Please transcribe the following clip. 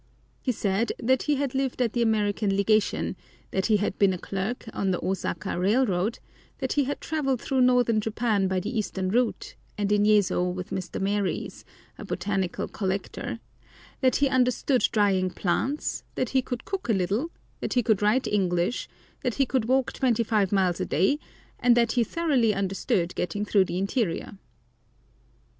He said that he had lived at the American Legation, that he had been a clerk on the Osaka railroad, that he had travelled through northern Japan by the eastern route, and in Yezo with Mr. Maries, a botanical collector, that he understood drying plants, that he could cook a little, that he could write English, that he could walk twenty five miles a day, and that he thoroughly understood getting through the interior!